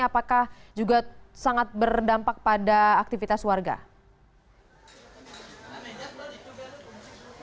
apakah juga sangat berdampak pada aktivitas yang terjadi di nusa tenggara barat